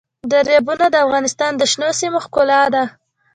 دریابونه د افغانستان د شنو سیمو ښکلا ده.